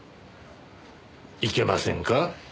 いけませんか？